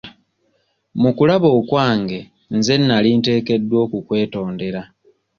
Mu kulaba okwange nze nali nteekeddwa okukwetondera.